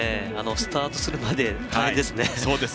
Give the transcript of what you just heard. スタートするまで大変ですね。